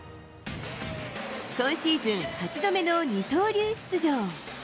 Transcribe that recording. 今シーズン８度目の二刀流出場。